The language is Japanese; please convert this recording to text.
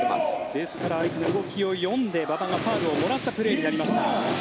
ですから、相手の動きを読んで馬場がファウルをもらったプレーになりました。